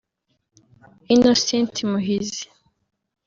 Innocent Muhizi